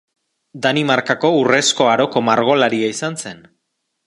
Danimarkako Urrezko Aroko margolaria izan zen.